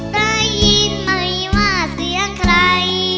ได้ยินไหมว่าเสียงใคร